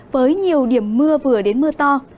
với nhiều điểm mưa vừa đến mưa to